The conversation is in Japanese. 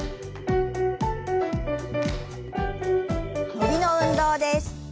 伸びの運動です。